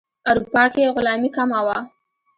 اروپا کې غلامي کمه وه.